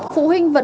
phụ huynh vẫn